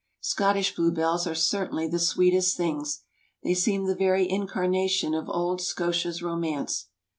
Scottish bluebells are certainly the sweetest thitigs! They seem the very incarnation of old Scotia's romance.